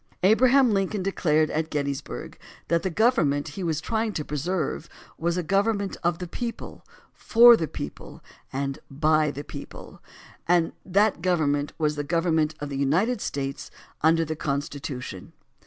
Abraham Lincoln declared at Gettysburg that the government he was trying to pre serve was "a government of the people, for the people, and by the people," and that government was the THE BILL OF RIGHTS 117 government of the United States under the Constitu tion.